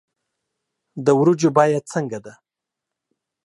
د ورجو بیه څنګه ده